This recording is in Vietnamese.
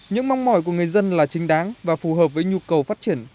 những mong mỏi của người dân là chính đáng và phù hợp với nhu cầu phát triển